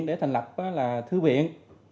để thành lập thư viện